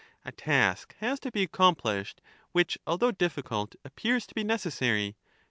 A task has to be accomplished, which, although ~ difficult, appears to be necessary.